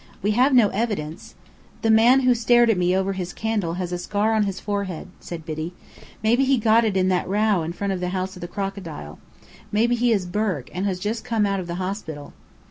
We have no evidence " "The man who stared at me over his candle has a scar on his forehead," said Biddy. "Maybe he got it in that row in front of the House of the Crocodile. Maybe he is Burke, and has just come out of the hospital."